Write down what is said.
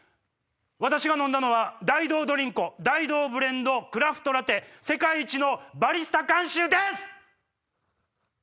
私が飲んだのはダイドードリンコダイドーブレンドクラフトラテ世界一のバリスタ監修です！